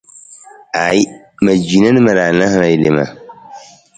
Aaji, ma cina na ma raala wi loma.